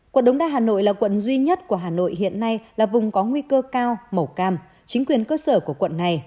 quận đống đa hà nội là quận duy nhất của hà nội hiện nay là vùng có nguy cơ cao màu cam chính quyền cơ sở của quận này